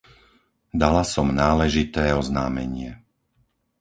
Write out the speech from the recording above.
Dala som náležité oznámenie.